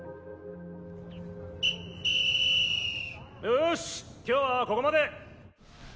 よし今日はここまで！